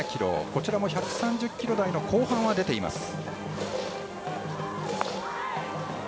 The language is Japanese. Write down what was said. こちらも１３０キロ台の後半は出ています。